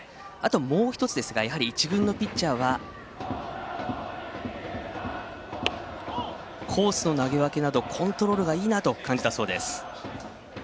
もう１つやはり、１軍のピッチャーはコースの投げ分けなどコントロールがいいなと感じたそうです。